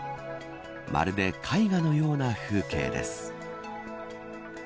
まるで絵画のような風景です。